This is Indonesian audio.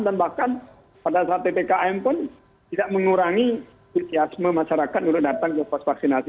dan bahkan pada saat ppkm pun tidak mengurangi krisisiasme masyarakat yang datang ke pos vaksinasi